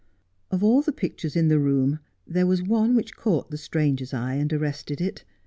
Of all the pictures in the room there was one which caught the stranger's eye and arrested it.